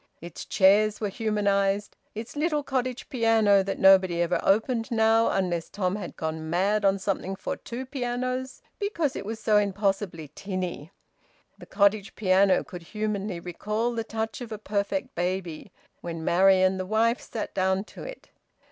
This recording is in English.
Its chairs were humanised. Its little cottage piano that nobody ever opened now unless Tom had gone mad on something for two pianos, because it was so impossibly tinny the cottage piano could humanly recall the touch of a perfect baby when Marian the wife sat down to it.